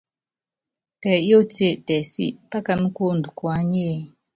Tɛ yóótíe, tɛ sí, pákaná kuondo kuányíe ?